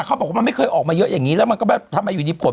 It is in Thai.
เขาบอกว่ามันไม่เคยออกมาเยอะอย่างนี้แล้วมันก็แบบทำไมอยู่ดีผล